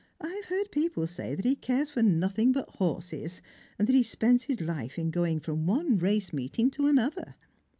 I've heard people say that he cares for nothing but horses, and that he spends his life in going from one race meeting to another."